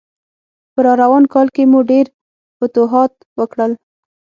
په راروان کال کې مو ډېر فتوحات وکړل.